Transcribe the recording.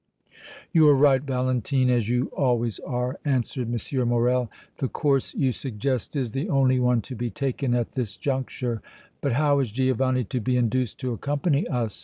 "You are right, Valentine, as you always are," answered M. Morrel. "The course you suggest is the only one to be taken at this juncture. But how is Giovanni to be induced to accompany us?